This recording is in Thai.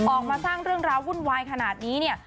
ออกมาสร้างเรื่องราววุ่นวายขนาดนี้เนี่ย